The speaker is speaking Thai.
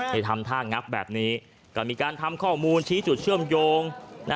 ทำท่างับแบบนี้ก็มีการทำข้อมูลชี้จุดเชื่อมโยง